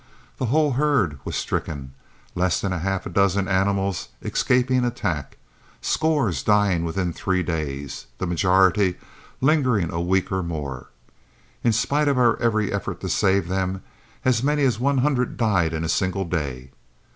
The whole herd was stricken, less than half a dozen animals escaping attack, scores dying within three days, the majority lingering a week or more. In spite of our every effort to save them, as many as one hundred died in a single day.